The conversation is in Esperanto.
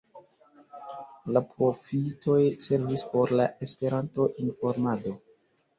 La profitoj servis por la Esperanto-informado.